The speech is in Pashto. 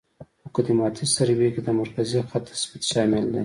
مقدماتي سروې کې د مرکزي خط تثبیت شامل دی